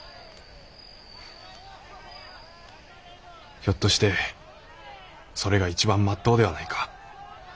ひょっとしてそれが一番まっとうではないか。